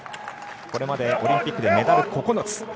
これまでオリンピックでメダル９つ。